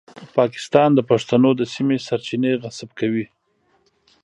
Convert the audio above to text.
پاکستان د پښتنو د سیمې سرچینې غصب کوي.